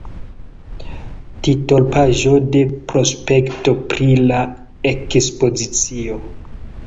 Titolpaĝo de prospekto pri la ekspozicio.